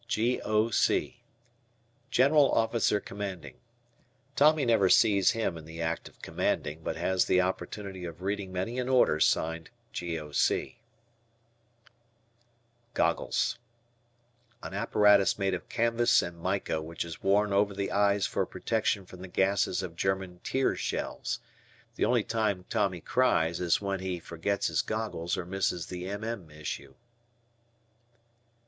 G.O.C. General Officer Commanding. Tommy never sees him in the act of "commanding," but has the opportunity of reading many an order signed "G.O.C." Goggles. An apparatus made of canvas and mica which is worn over the eyes for protection from the gases of German "tear shells." The only time Tommy cries is when he forgets his goggles or misses the mm issue.